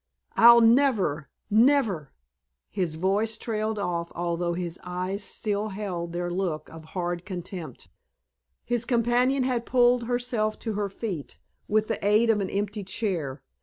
I'll never never " His voice trailed off although his eyes still held their look of hard contempt. His companion had pulled herself to her feet with the aid of an empty chair.